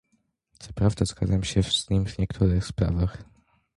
Co prawda zgadzam się z nim w niektórych sprawach